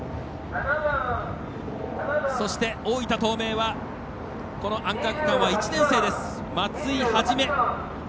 そして、大分東明はアンカー区間は１年生です、松井一。